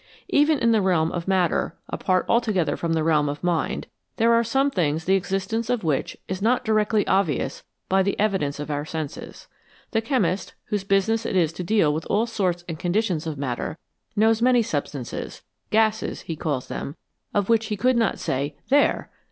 Even in the realm of matter, apart altogether from the realm of mind, there are some things the existence of which is not directly obvious by the evidence of our senses. The chemist, whose business it is to deal with all sorts and conditions of matter, knows many sub stances " gases," he calls them of which he could not say " There